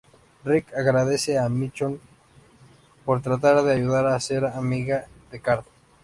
Rick agradece a Michonne por tratar de ayudar y ser amiga de Carl.